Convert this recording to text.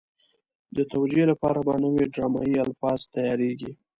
د توجیه لپاره به نوي ډرامایي الفاظ تیارېږي.